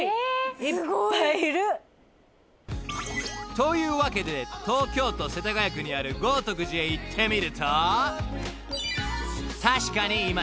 というわけで東京都世田谷区にある豪徳寺へ行ってみると確かにいました］